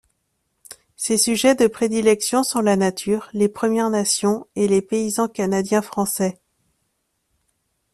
Ses sujets de prédilection sont la nature, les premières nations et les paysans canadiens-français.